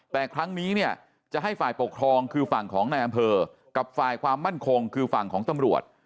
แต่ครั้งนี้เนี่ยจะให้ฝ่ายปกครองคือฝั่งของนายอำเภอกับฝ่ายความมั่นคงคือฝั่งของตำรวจ